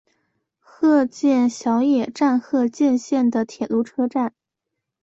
鹤见小野站鹤见线的铁路车站。